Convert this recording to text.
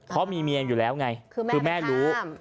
เพราะมีเมียอยู่แล้วไงคือแม่รู้